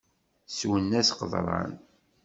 Swen-as qeḍṛan.